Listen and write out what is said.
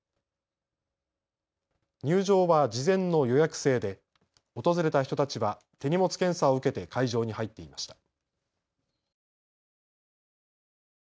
入場は事前の予約制で訪れた人たちは手荷物検査を受けて会場に入っていました。